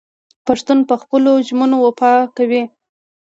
پښتون په خپلو ژمنو وفا کوي.